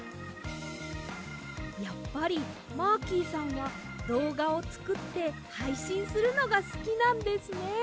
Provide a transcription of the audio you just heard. やっぱりマーキーさんはどうがをつくってはいしんするのがすきなんですね。